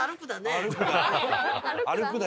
歩くだ。